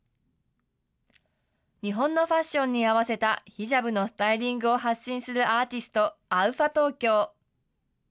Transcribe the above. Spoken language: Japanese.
日本のファッションに合わせたヒジャブのスタイリングを発信するアーティスト、ＡＵＦＡＴＯＫＹＯ。